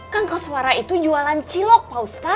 kan kau suara itu jualan cilok pak ustadz